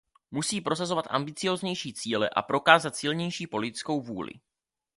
Musí prosazovat ambicióznější cíle a prokázat silnější politickou vůli.